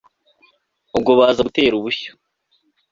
ubwo baza gutera ubushyo